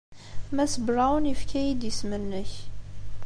Mass Brown yefka-iyi-d isem-nnek.